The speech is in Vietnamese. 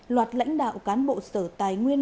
loạt lãnh đạo cán bộ sở tài nguyên